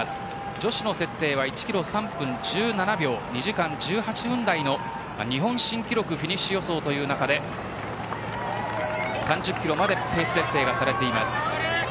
女子の設定は１キロ３分１７秒２時間１８分台の日本新記録フィニッシュ予想という中で３０キロまでペース設定がされています。